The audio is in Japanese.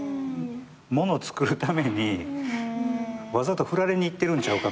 もの作るためにわざと振られにいってるんちゃうか。